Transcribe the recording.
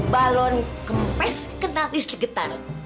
balon kempes kena risikitar